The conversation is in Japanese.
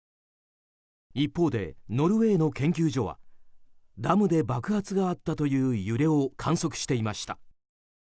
一方で、ノルウェーの研究所はダムで爆発があったという揺れを観測していました。